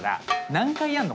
何回やんの？